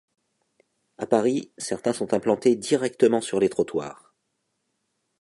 À Paris, certains sont implantés directement sur les trottoirs.